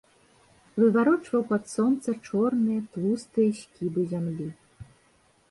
Выварочваў пад сонца чорныя, тлустыя скібы зямлі.